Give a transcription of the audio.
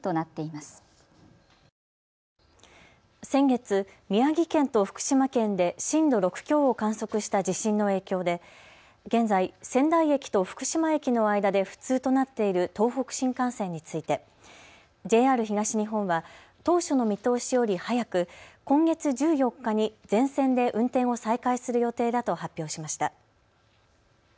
先月、宮城県と福島県で震度６強を観測した地震の影響で現在、仙台駅と福島駅の間で不通となっている東北新幹線についてＪＲ東日本は当初の見通しより早く今月１４日に全線で運転を再開する予定だと発表しました。